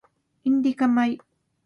インディカ米